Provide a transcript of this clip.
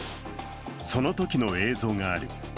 そのときの映像がある。